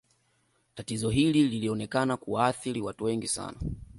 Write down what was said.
tatizo hili lilionekana kuwaathiri watu wengi sana